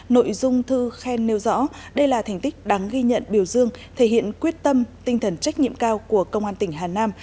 nội dung thư khen nêu rõ đây là thành tích đáng ghi nhận biểu dương thể hiện quyết tâm tinh thần trách nhiệm cao của công an tỉnh hà nam